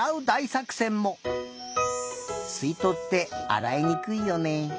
すいとうってあらいにくいよね。